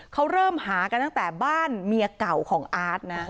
เขาเริ่มหากันตั้งแต่บ้านเมียเก่าของอาร์ตนะ